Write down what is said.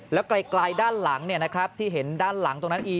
แล้วกลายด้านหลังนะครับที่เห็นด้านหลังตรงนั้น